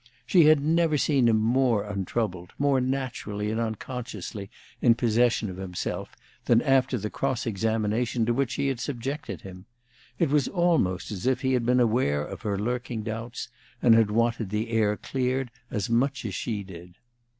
She had never seen him more untroubled, more naturally and unconsciously in possession of himself, than after the cross examination to which she had subjected him: it was almost as if he had been aware of her lurking doubts, and had wanted the air cleared as much as she did.